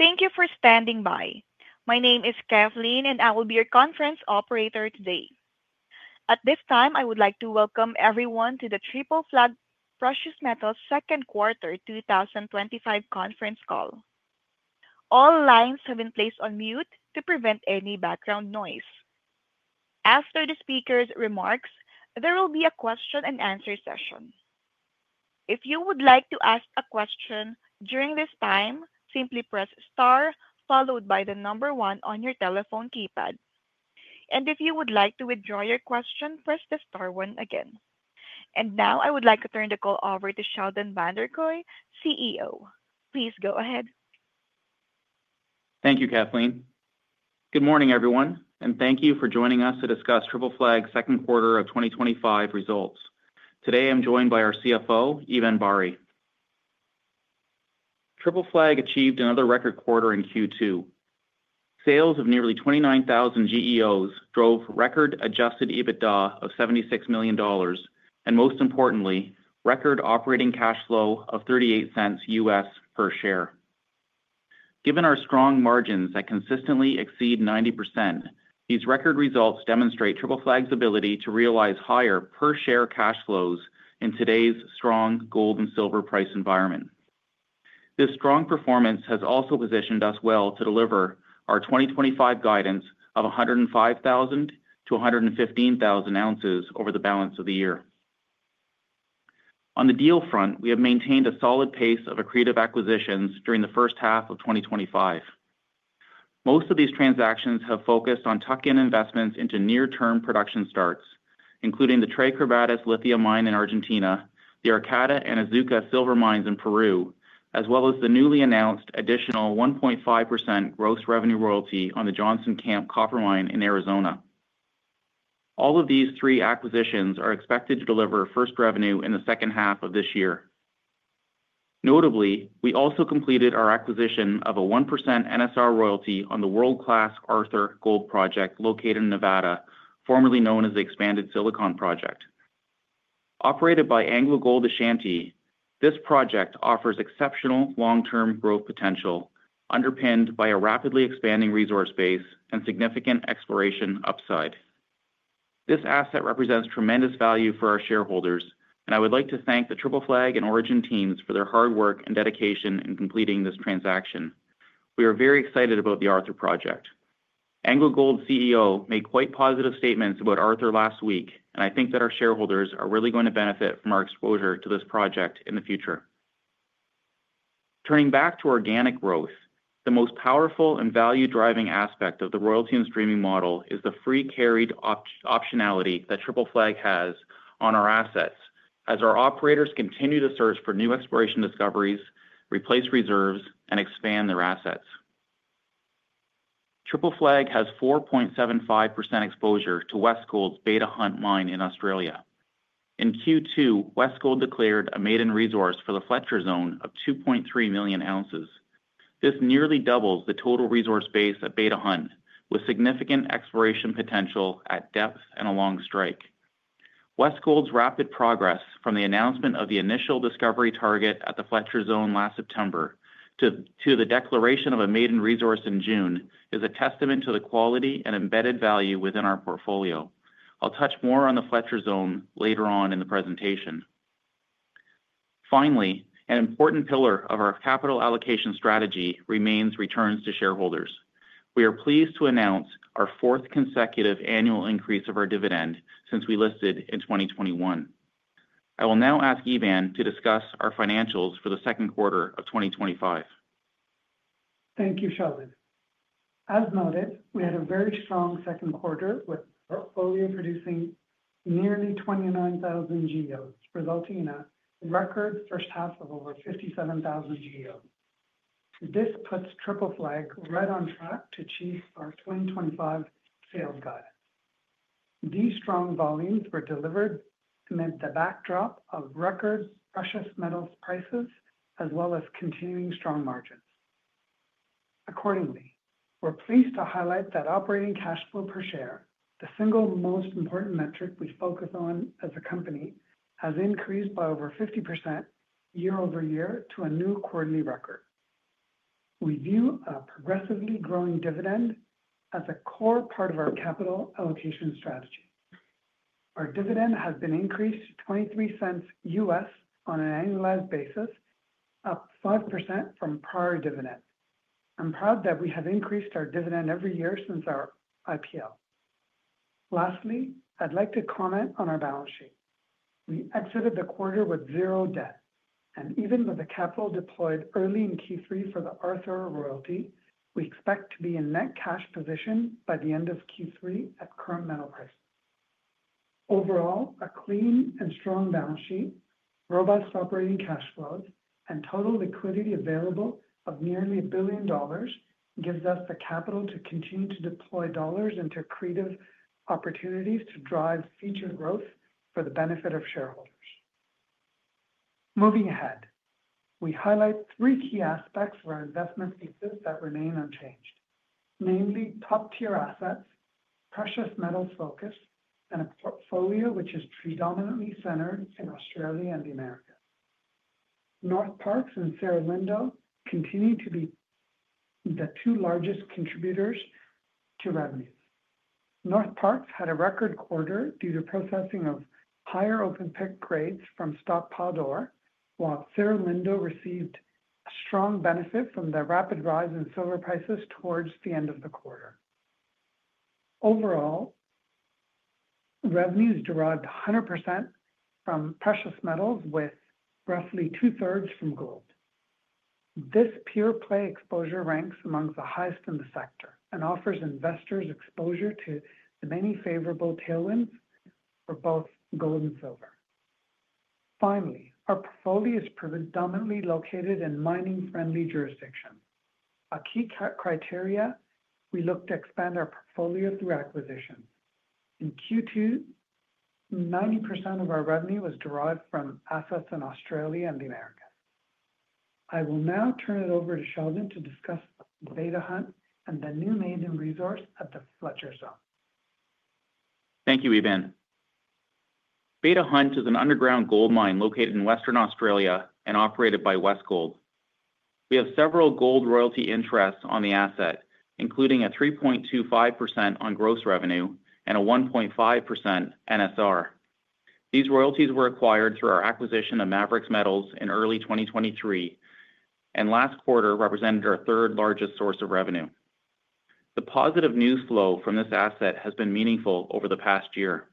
Thank you for standing by. My name is Kathryn, and I will be your conference operator today. At this time, I would like to welcome everyone to the Triple Flag Precious Metals second quarter 2025 conference call. All lines have been placed on mute to prevent any background noise. After the speaker's remarks, there will be a question and answer session. If you would like to ask a question during this time, simply press star, followed by the number one on your telephone keypad. If you would like to withdraw your question, press the star one again. I would like to turn the call over to Sheldon Vanderkooy, CEO. Please go ahead. Thank you, Kathryn. Good morning, everyone, and thank you for joining us to discuss Triple Flag's second quarter of 2025 results. Today, I'm joined by our CFO, Eban Bari. Triple Flag achieved another record quarter in Q2. Sales of nearly 29,000 GEOs drove record adjusted EBITDA of $76 million and, most importantly, record operating cash flow of $0.38 per share. Given our strong margins that consistently exceed 90%, these record results demonstrate Triple Flag's ability to realize higher per share cash flows in today's strong gold and silver price environment. This strong performance has also positioned us well to deliver our 2025 guidance of 105,000 oz - 115,000 oz over the balance of the year. On the deal front, we have maintained a solid pace of accretive acquisitions during the first half of 2025. Most of these transactions have focused on tuck-in investments into near-term production starts, including the Tres Quebradas lithium mine in Argentina, the Arcata and Azuca silver mines in Peru, as well as the newly announced additional 1.5% gross revenue royalty on the Johnson Camp copper mine in Arizona. All of these three acquisitions are expected to deliver first revenue in the second half of this year. Notably, we also completed our acquisition of a 1% NSR royalty on the world-class Arthur Gold Project located in Nevada, formerly known as the Expanded Silicon Project. Operated by AngloGold Ashanti, this project offers exceptional long-term growth potential underpinned by a rapidly expanding resource base and significant exploration upside. This asset represents tremendous value for our shareholders, and I would like to thank the Triple Flag and Origin teams for their hard work and dedication in completing this transaction. We are very excited about the Arthur Project. AngloGold CEO made quite positive statements about Arthur last week, and I think that our shareholders are really going to benefit from our exposure to this project in the future. Turning back to organic growth, the most powerful and value-driving aspect of the royalty and streaming model is the free carried optionality that Triple Flag has on our assets as our operators continue to search for new exploration discoveries, replace reserves, and expand their assets. Triple Flag has 4.75% exposure to Westgold's Beta Hunt mine in Australia. In Q2, Westgold declared a maiden resource for the Fletcher zone of 2.3 million oz. This nearly doubles the total resource base at Beta Hunt, with significant exploration potential at depth and along strike. Westgold's rapid progress from the announcement of the initial discovery target at the Fletcher zone last September to the declaration of a maiden resource in June is a testament to the quality and embedded value within our portfolio. I'll touch more on the Fletcher zone later on in the presentation. Finally, an important pillar of our capital allocation strategy remains returns to shareholders. We are pleased to announce our fourth consecutive annual increase of our dividend since we listed in 2021. I will now ask Eban to discuss our financials for the second quarter of 2025. Thank you, Sheldon. As noted, we had a very strong second quarter with a portfolio producing nearly 29,000 GEOs, resulting in a record first half of over 57,000 GEOs. This puts Triple Flag right on track to chase our 2025 sales guide. These strong volumes were delivered amid the backdrop of record precious metals prices, as well as continuing strong margins. Accordingly, we're pleased to highlight that operating cash flow per share, the single most important metric we focus on as a company, has increased by over 50% year-over-year to a new quarterly record. We view a progressively growing dividend as a core part of our capital allocation strategy. Our dividend has been increased to $0.23 on an annualized basis, up 5% from prior dividends. I'm proud that we have increased our dividend every year since our IPO. Lastly, I'd like to comment on our balance sheet. We exited the quarter with zero debt, and even with the capital deployed early in Q3 for the Arthur royalty, we expect to be in a net cash position by the end of Q3 at current metal prices. Overall, a clean and strong balance sheet, robust operating cash flows, and total liquidity available of nearly $1 billion give us the capital to continue to deploy dollars into creative opportunities to drive future growth for the benefit of shareholders. Moving ahead, we highlight three key aspects where investments exist that remain unchanged, namely top-tier assets, precious metals focus, and a portfolio which is predominantly centered in Australia and the Americas. Northparkes and Cerro Lindo continue to be the two largest contributors to revenues. Northparkes had a record quarter due to processing of higher open-pit grades from Stop Paldor, while Cerro Lindo received strong benefits from the rapid rise in silver prices towards the end of the quarter. Overall, revenues derived 100% from precious metals, with roughly 2/3 from gold. This pure play exposure ranks among the highest in the sector and offers investors exposure to many favorable tailwinds for both gold and silver. Finally, our portfolio is predominantly located in mining-friendly jurisdictions, a key criteria we look to expand our portfolio through acquisition. In Q2, 90% of our revenue was derived from assets in Australia and the Americas. I will now turn it over to Sheldon to discuss Beta Hunt and the new maiden resource at the Fletcher zone. Thank you, Eban. Beta Hunt is an underground gold mine located in Western Australia and operated by Westgold. We have several gold royalty interests on the asset, including a 3.25% on gross revenue and a 1.5% NSR. These royalties were acquired through our acquisition of Mavericks Metals in early 2023 and last quarter represented our third largest source of revenue. The positive news flow from this asset has been meaningful over the past year.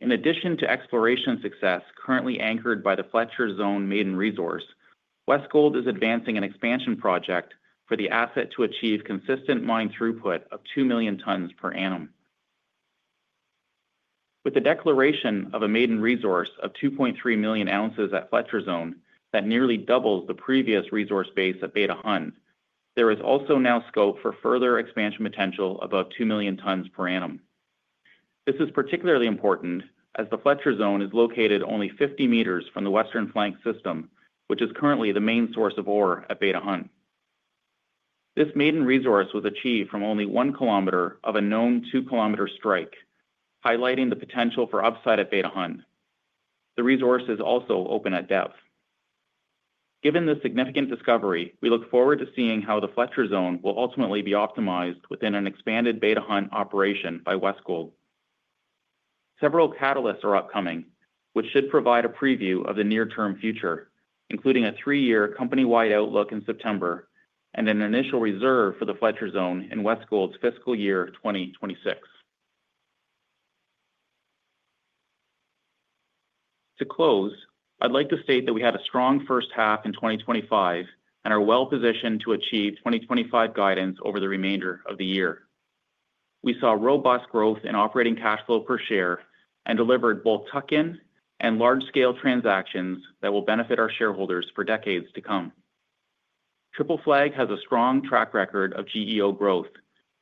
In addition to exploration success currently anchored by the Fletcher zone maiden resource, Westgold is advancing an expansion project for the asset to achieve consistent mine throughput of 2 million tons per annum. With the declaration of a maiden resource of 2.3 million oz at Fletcher zone that nearly doubles the previous resource base at Beta Hunt, there is also now scope for further expansion potential above 2 million tons per annum. This is particularly important as the Fletcher zone is located only 50 meters from the Western Flank system, which is currently the main source of ore at Beta Hunt. This maiden resource was achieved from only 1 km of a known 2 km strike, highlighting the potential for upside at Beta Hunt. The resource is also open at depth. Given this significant discovery, we look forward to seeing how the Fletcher zone will ultimately be optimized within an expanded Beta Hunt operation by Westgold. Several catalysts are upcoming, which should provide a preview of the near-term future, including a three-year company-wide outlook in September and an initial reserve for the Fletcher zone in Westgold's fiscal year 2026. To close, I'd like to state that we had a strong first half in 2025 and are well positioned to achieve 2025 guidance over the remainder of the year. We saw robust growth in operating cash flow per share and delivered both tuck-in and large-scale transactions that will benefit our shareholders for decades to come. Triple Flag has a strong track record of GEO growth,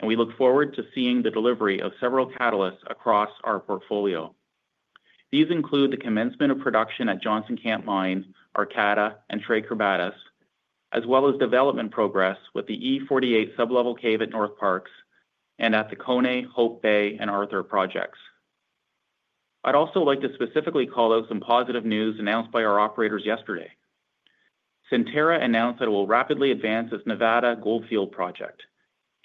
and we look forward to seeing the delivery of several catalysts across our portfolio. These include the commencement of production at Johnson Camp, Arcata, and Tres Quebradas, as well as development progress with the E48 sub-level cave at Northparkes and at the Koné, Hope Bay, and Arthur projects. I'd also like to specifically call out some positive news announced by our operators yesterday. Centerra announced that it will rapidly advance its Nevada Goldfield project.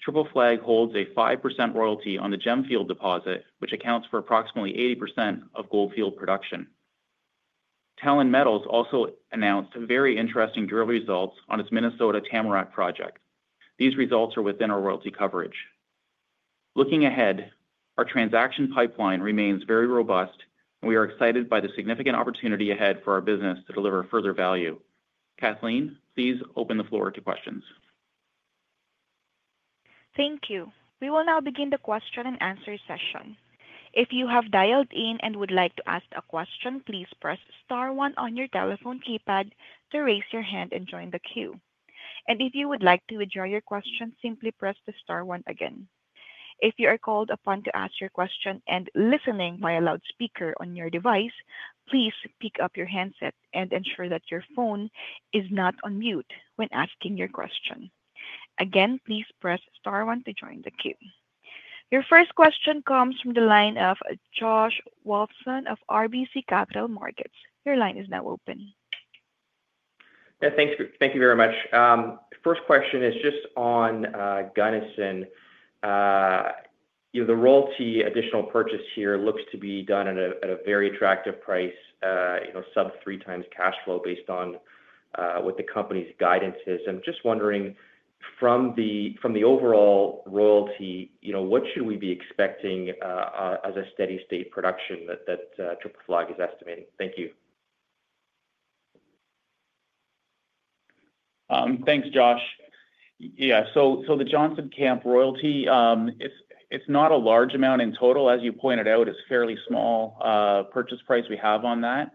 Triple Flag holds a 5% royalty on the Gemfield deposit, which accounts for approximately 80% of Goldfield production. Talon Metals also announced very interesting drill results on its Minnesota Tamarack project. These results are within our royalty coverage. Looking ahead, our transaction pipeline remains very robust, and we are excited by the significant opportunity ahead for our business to deliver further value. Kathryn, please open the floor to questions. Thank you. We will now begin the question and answer session. If you have dialed in and would like to ask a question, please press star one on your telephone keypad to raise your hand and join the queue. If you would like to withdraw your question, simply press the star one again. If you are called upon to ask your question and listening via loudspeaker on your device, please pick up your handset and ensure that your phone is not on mute when asking your question. Again, please press star one to join the queue. Your first question comes from the line of Josh Wolfson of RBC Capital Markets. Your line is now open. Yeah, thanks. Thank you very much. First question is just on Gunnison. The royalty additional purchase here looks to be done at a very attractive price, you know, sub 3x cash flow based on what the company's guidance is. I'm just wondering, from the overall royalty, you know, what should we be expecting as a steady state production that Triple Flag is estimating? Thank you. Thanks, Josh. Yeah, so the Johnson Camp royalty, it's not a large amount in total. As you pointed out, it's a fairly small purchase price we have on that.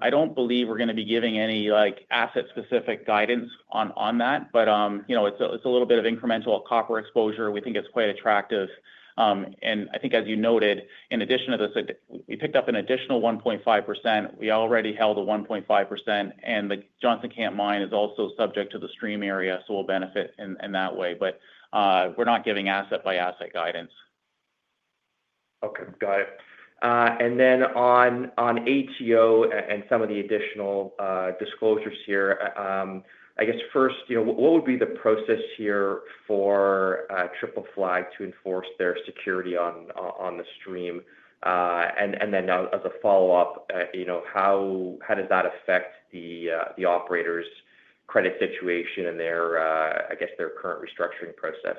I don't believe we're going to be giving any asset-specific guidance on that, but you know, it's a little bit of incremental copper exposure. We think it's quite attractive. I think, as you noted, in addition to this, we picked up an additional 1.5%. We already held a 1.5%, and the Johnson Camp mine is also subject to the stream area, so we'll benefit in that way, but we're not giving asset-by-asset guidance. Okay, got it. On GEO and some of the additional disclosures here, I guess first, what would be the process here for Triple Flag to enforce their security on the stream? As a follow-up, how does that affect the operator's credit situation and their current restructuring process?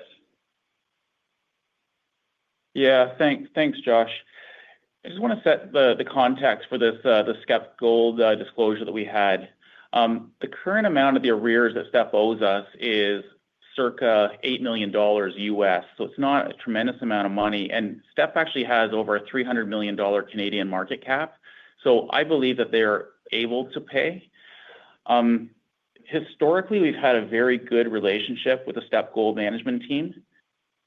Yeah, thanks, Josh. I just want to set the context for the Steppe Gold disclosure that we had. The current amount of the arrears that Steppe owes us is circa $8 million, so it's not a tremendous amount of money. Steppe actually has over a 300 million Canadian dollars market cap, so I believe that they're able to pay. Historically, we've had a very good relationship with the Steppe Gold management team.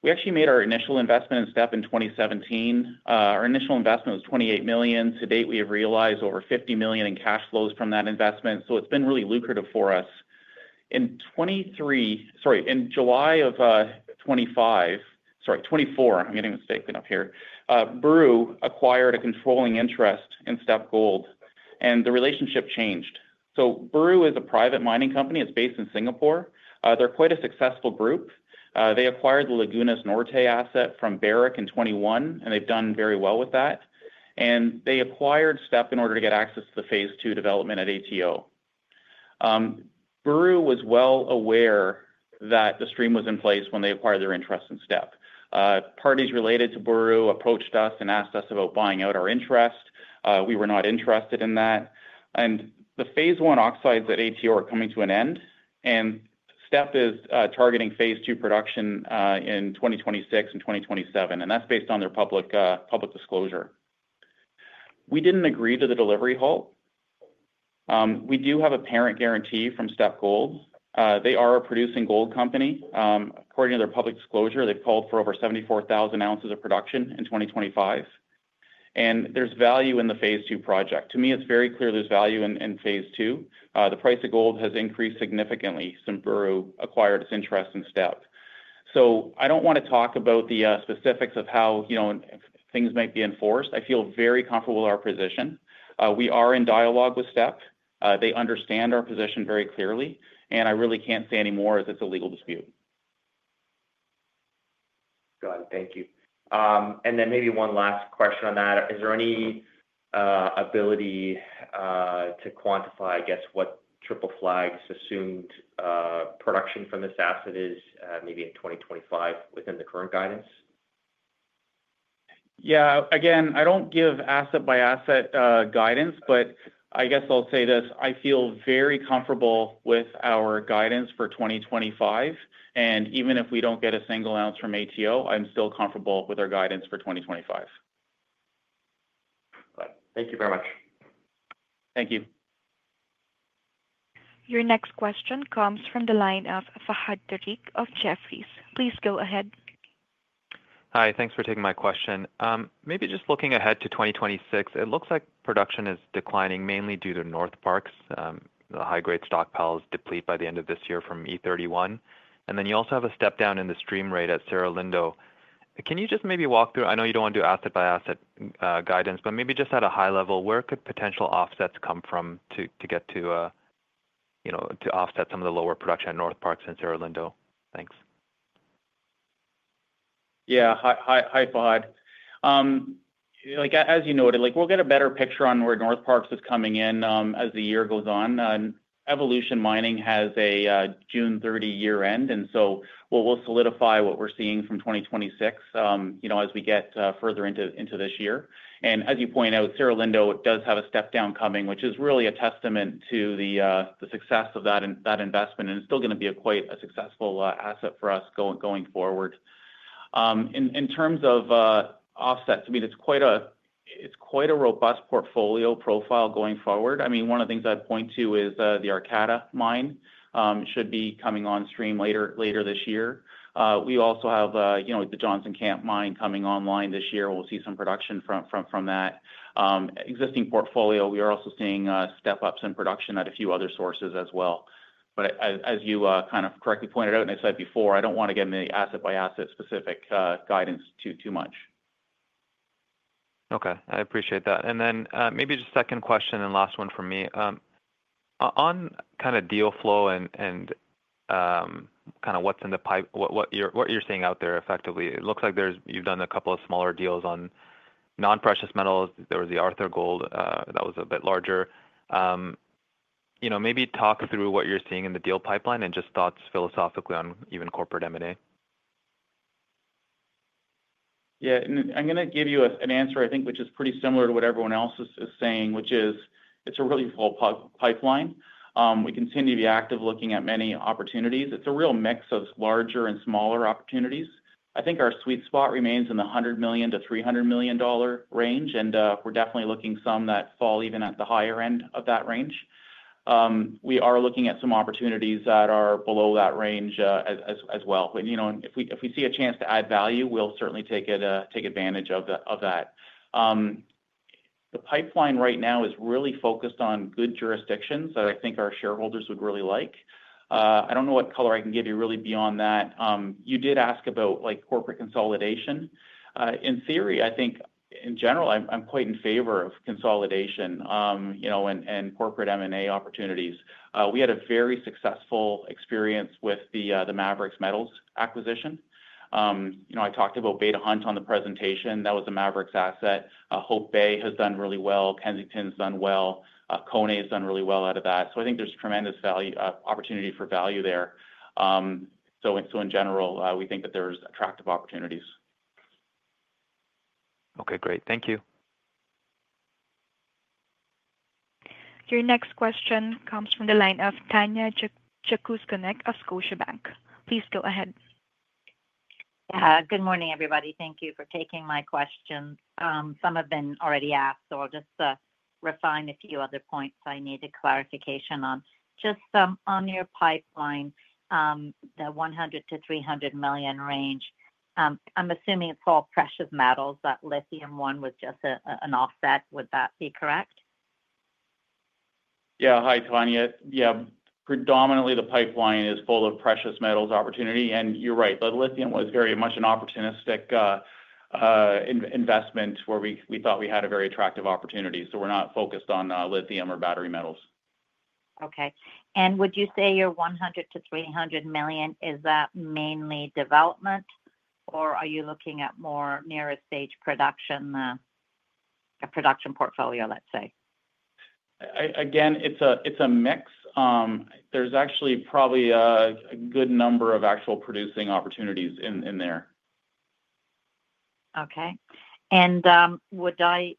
We actually made our initial investment in Steppe in 2017. Our initial investment was $28 million. To date, we have realized over $50 million in cash flows from that investment, so it's been really lucrative for us. In 2023, sorry, in July of 2025, sorry, 2024, I'm getting mistaken up here, BRU acquired a controlling interest in Steppe Gold, and the relationship changed. BRU is a private mining company. It's based in Singapore. They're quite a successful group. They acquired the Lagunas Norte asset from Barrick in 2021, and they've done very well with that. They acquired Steppe in order to get access to the phase two development at ATO. BRU was well aware that the stream was in place when they acquired their interest in Steppe. Parties related to BRU approached us and asked us about buying out our interest. We were not interested in that. The phase one oxides at ATO are coming to an end, and Steppe is targeting phase two production in 2026 and 2027, and that's based on their public disclosure. We didn't agree to the delivery halt. We do have a parent guarantee from Steppe Gold. They are a producing gold company. According to their public disclosure, they've called for over 74,000 ounces of production in 2025. There's value in the phase two project. To me, it's very clear there's value in phase two. The price of gold has increased significantly since BRU acquired its interest in Steppe. I don't want to talk about the specifics of how, you know, things might be enforced. I feel very comfortable with our position. We are in dialogue with Steppe. They understand our position very clearly, and I really can't say anymore if it's a legal dispute. Got it. Thank you. Maybe one last question on that. Is there any ability to quantify, I guess, what Triple Flag's assumed production from this asset is maybe in 2025 within the current guidance? Yeah, again, I don't give asset-by-asset guidance, but I guess I'll say this. I feel very comfortable with our guidance for 2025. Even if we don't get a single ounce from ATO, I'm still comfortable with our guidance for 2025. Got it. Thank you very much. Thank you. Your next question comes from the line of Fahad Tariq of Jefferies. Please go ahead. Hi, thanks for taking my question. Maybe just looking ahead to 2026, it looks like production is declining mainly due to Northparkes, the high-grade stockpiles deplete by the end of this year from E31. You also have a step down in the stream rate at Cerro Lindo. Can you just maybe walk through, I know you don't want to do asset-by-asset guidance, but maybe just at a high level, where could potential offsets come from to get to, you know, to offset some of the lower production at Northparkes and Cerro Lindo? Thanks. Yeah, hi, Fahad. As you noted, we'll get a better picture on where Northparkes is coming in as the year goes on. Evolution Mining has a June 30 year end, and we'll solidify what we're seeing from 2026 as we get further into this year. As you point out, Cerro Lindo does have a step down coming, which is really a testament to the success of that investment, and it's still going to be quite a successful asset for us going forward. In terms of offsets, it's quite a robust portfolio profile going forward. One of the things I'd point to is the Arcata mine. It should be coming on stream later this year. We also have the Johnson Camp mine coming online this year. We'll see some production from that. Existing portfolio, we are also seeing step-ups in production at a few other sources as well. As you correctly pointed out and I said before, I don't want to get into the asset-by-asset specific guidance too much. Okay, I appreciate that. Maybe just a second question and last one from me. On kind of deal flow and kind of what's in the pipeline, what you're seeing out there effectively, it looks like you've done a couple of smaller deals on non-precious metals. There was the Arthur Gold Project that was a bit larger. Maybe talk through what you're seeing in the deal pipeline and just thoughts philosophically on even corporate M&A. Yeah, I'm going to give you an answer, I think, which is pretty similar to what everyone else is saying, which is it's a really full pipeline. We continue to be active looking at many opportunities. It's a real mix of larger and smaller opportunities. I think our sweet spot remains in the $100 million - $300 million range, and we're definitely looking at some that fall even at the higher end of that range. We are looking at some opportunities that are below that range as well. If we see a chance to add value, we'll certainly take advantage of that. The pipeline right now is really focused on good jurisdictions that I think our shareholders would really like. I don't know what color I can give you really beyond that. You did ask about like corporate consolidation. In theory, I think in general, I'm quite in favor of consolidation, you know, and corporate M&A opportunities. We had a very successful experience with the Mavericks Metals acquisition. I talked about Beta Hunt on the presentation. That was a Mavericks asset. Hope Bay has done really well. Kensington's done well. Koné's done really well out of that. I think there's tremendous opportunity for value there. In general, we think that there's attractive opportunities. Okay, great. Thank you. Your next question comes from the line of Tanya Jakusconek of Scotiabank. Please go ahead. Good morning, everybody. Thank you for taking my question. Some have been already asked, so I'll just refine a few other points I needed clarification on. Just on your pipeline, the $100 million - $300 million range, I'm assuming it's all precious metals. That lithium one was just an offset. Would that be correct? Yeah, hi, Tanya. Predominantly, the pipeline is full of precious metals opportunity, and you're right. The lithium was very much an opportunistic investment where we thought we had a very attractive opportunity. We're not focused on lithium or battery metals. Would you say your $100 million - $300 million, is that mainly development, or are you looking at more near a stage production? A production portfolio, let's say. Again, it's a mix. There's actually probably a good number of actual producing opportunities in there. Okay. Would I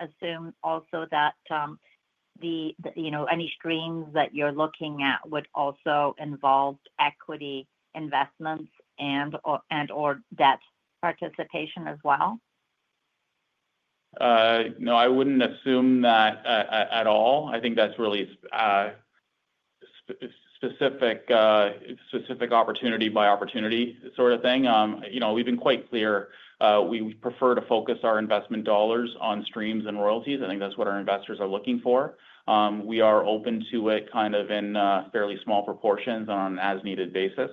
assume also that any streams that you're looking at would also involve equity investments and/or debt participation as well? No, I wouldn't assume that at all. I think that's really specific opportunity by opportunity sort of thing. You know, we've been quite clear. We prefer to focus our investment dollars on streams and royalties. I think that's what our investors are looking for. We are open to it kind of in fairly small proportions on an as-needed basis,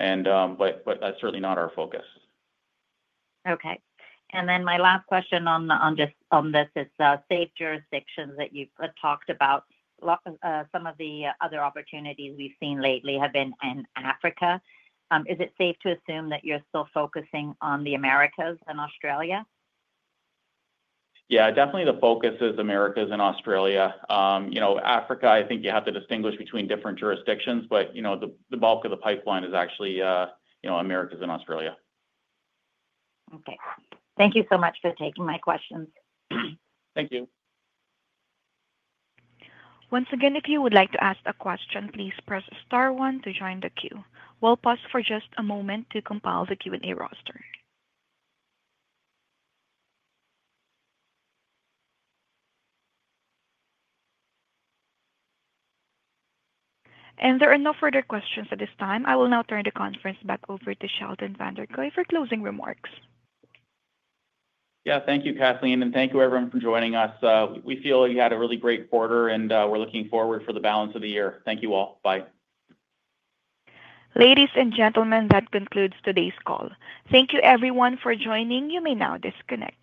but that's certainly not our focus. Okay. My last question on this, it's safe jurisdictions that you've talked about. Some of the other opportunities we've seen lately have been in Africa. Is it safe to assume that you're still focusing on the Americas and Australia? Yeah, definitely the focus is Americas and Australia. Africa, I think you have to distinguish between different jurisdictions, but the bulk of the pipeline is actually Americas and Australia. Okay, thank you so much for taking my question. Thank you. Once again, if you would like to ask a question, please press star one to join the queue. We'll pause for just a moment to compile the Q&A roster. There are no further questions at this time. I will now turn the conference back over to Sheldon Vanderkooy for closing remarks. Thank you, Kathryn, and thank you everyone for joining us. We feel you had a really great quarter, and we're looking forward to the balance of the year. Thank you all. Bye. Ladies and gentlemen, that concludes today's call. Thank you, everyone, for joining. You may now disconnect.